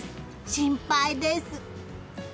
心配です。